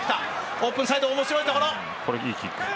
オープンサイド面白いところ。